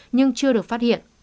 nhưng chưa được phát hiện